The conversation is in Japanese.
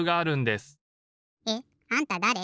えっあんただれ？